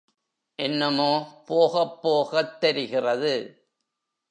என்னமோ, போகப் போகத் தெரிகிறது.